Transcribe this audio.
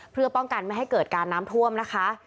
เพื่อป้องกันไม่ให้เกิดการน้ำท่วมนะคะ